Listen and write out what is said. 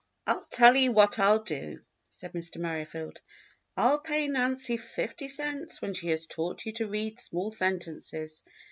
"I'll tell you what I'll do," said Mr. Merrifield. "I'll pay Nancy fifty cents when she has taught you to read small sentences.